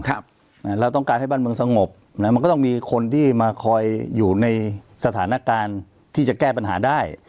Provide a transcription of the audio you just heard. เราต้องการให้บ้านเมืองสงบนะมันก็ต้องมีคนที่มาคอยอยู่ในสถานการณ์ที่จะแก้ปัญหาได้